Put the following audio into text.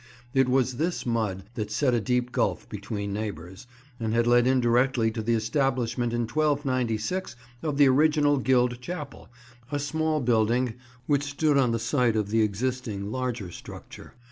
It was this mud that set a deep gulf between neighbours, and had led indirectly to the establishment in 1296 of the original Guild Chapel, a small building which stood on the site of the existing larger structure.